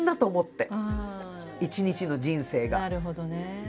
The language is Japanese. なるほどね。